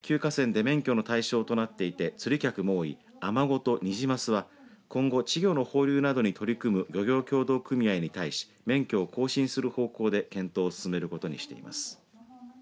また３つの１級河川で免許の対象となっていて釣り客も多いアマゴとニジマスは今後、稚魚の放流などを取り組む漁業協同組合に対し免許を更新する方向で検討を進めることにしています。